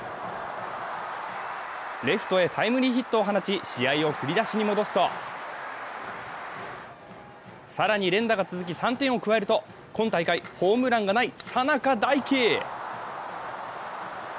レフトへタイムリーヒットを放ち試合を振り出しに戻すと更に連打が続き、３点を加えると今大会ホームランがない佐仲大輝。